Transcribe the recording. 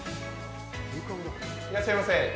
いらっしゃいませ。